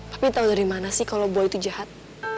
papi tahu dari mana sih kalau boy itu jahat